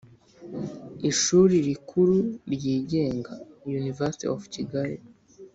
Ishuri rikuru ryigenga University of Kigali